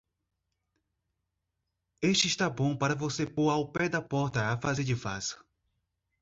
Este está bom para você pôr ao pé da porta a fazer de vaso.